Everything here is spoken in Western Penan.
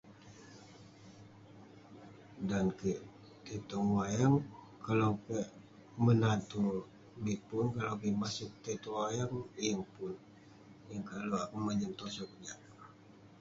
Dan kek tai tong wayang, kalau kek menat tue [unintelligible] kalau kek maseg tong wayang, yeng pun.